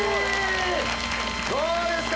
どうですか？